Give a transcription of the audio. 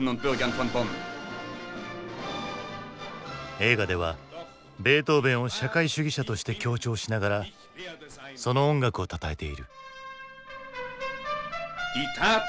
映画ではベートーヴェンを社会主義者として強調しながらその音楽をたたえている。